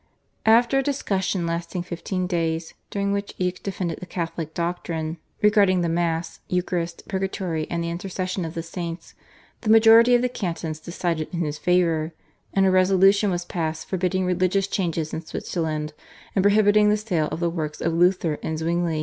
After a discussion lasting fifteen days during which Eck defended the Catholic doctrine regarding the Mass, Eucharist, Purgatory, and the Intercession of the Saints, the majority of the cantons decided in his favour, and a resolution was passed forbidding religious changes in Switzerland and prohibiting the sale of the works of Luther and Zwingli.